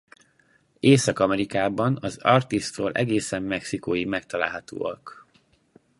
Észak-Amerikában az Arktisztól egészen Mexikóig megtalálhatóak.